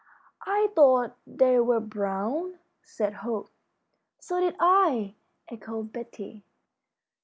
"I thought they were brown," said Hope. "So did I," echoed Betty.